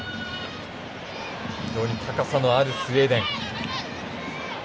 非常に高さのあるスウェーデン。